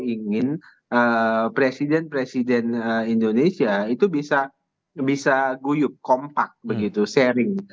ingin presiden presiden indonesia itu bisa guyup kompak begitu sharing